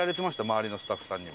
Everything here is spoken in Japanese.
周りのスタッフさんに。